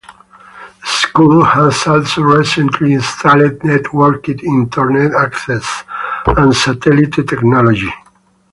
The school has also recently installed networked internet access and satellite technology.